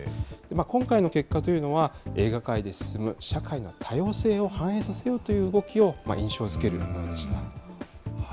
今回の結果というのは、映画界で進む、社会の多様性を反映させようという動きを印象づけるものでした。